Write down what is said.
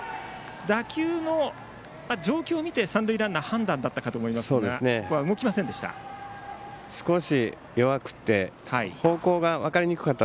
打球の状況を見て三塁ランナーは判断したと思いますがここは動きませんでした。